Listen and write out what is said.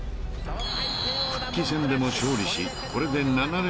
［復帰戦でも勝利しこれで］